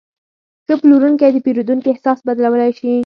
ښه پلورونکی د پیرودونکي احساس بدلولی شي.